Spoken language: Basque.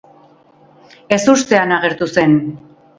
Ezustean agertu zen.